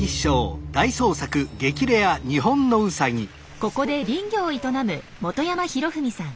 ここで林業を営む本山博文さん。